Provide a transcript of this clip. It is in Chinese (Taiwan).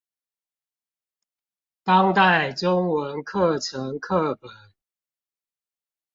當代中文課程課本